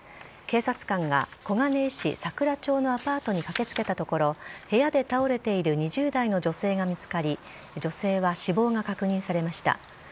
警察官が小金井市のアパートに駆けつけたところ部屋で倒れている２０代の女性が見つかり女性は死亡が確認されました。